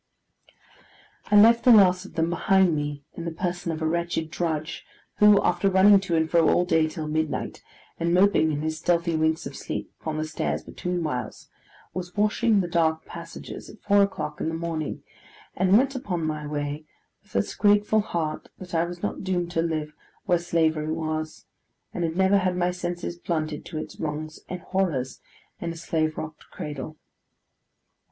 I left the last of them behind me in the person of a wretched drudge, who, after running to and fro all day till midnight, and moping in his stealthy winks of sleep upon the stairs betweenwhiles, was washing the dark passages at four o'clock in the morning; and went upon my way with a grateful heart that I was not doomed to live where slavery was, and had never had my senses blunted to its wrongs and horrors in a slave rocked cradle.